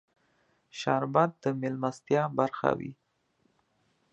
شربت د مېلمستیا برخه وي